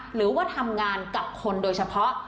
หรือว่าทำงานกับคนโดยเฉพาะ